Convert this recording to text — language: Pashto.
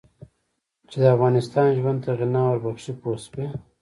چې د انسان ژوند ته غنا ور بخښي پوه شوې!.